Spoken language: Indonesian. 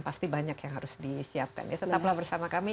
pasti banyak yang harus disiapkan ya tetaplah bersama kami